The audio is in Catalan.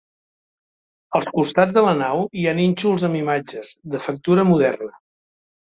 Als costats de la nau hi ha nínxols amb imatges, de factura moderna.